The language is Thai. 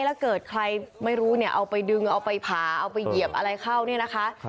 แล้วเกิดใครไม่รู้เนี่ยเอาไปดึงเอาไปผ่าเอาไปเหยียบอะไรเข้าเนี่ยนะคะ